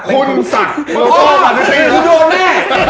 คุณสัตว์มันก็เป็นศูนย์แน่